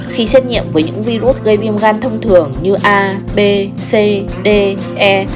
khi xét nghiệm với những virus gây viêm gan thông thường như a b c d e